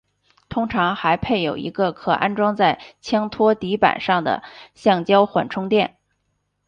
通常还配有一个可安装在枪托底板上的橡胶缓冲垫。